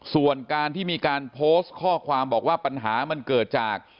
ส่วนการที่มีการโพสต์ข้อความบอกว่าปัญหามันเกิดจาก